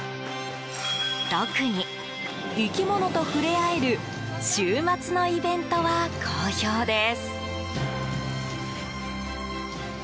特に、生き物と触れ合える週末のイベントは好評です。